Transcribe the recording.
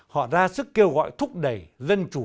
họ ra sức kêu gọi thúc đẩy dân chủ